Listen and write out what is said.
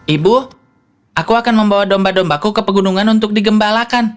ibu aku akan membawa domba dombaku ke pegunungan untuk digembalakan